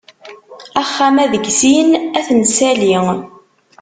Axxam-a deg sin ad t-nsali.